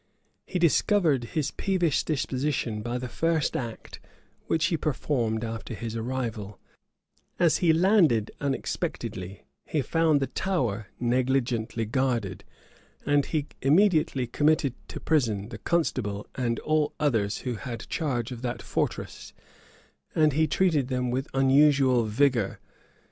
He discovered his peevish disposition by the first act which he performed after his arrival: as he landed unexpectedly, he found the Tower negligently guarded; and he immediately committed to prison the constable and all others who had the charge of that fortress, and he treated them with unusual rigor.